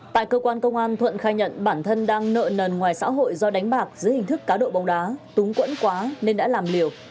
tại cơ quan công an thuận khai nhận bản thân đang nợ nần ngoài xã hội do đánh bạc dưới hình thức cá độ bóng đá túng quẫn quá nên đã làm liều